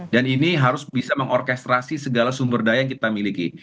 dan ini harus bisa mengorkestrasi segala sumber daya yang kita miliki